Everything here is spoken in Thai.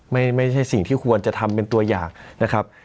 ไม่ใช่สิ่งที่ควรจะทำเป็นตัวอย่างนะครับ